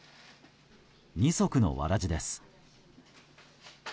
二足のわらじです。